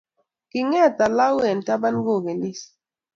Kinget alua eng taban kokenis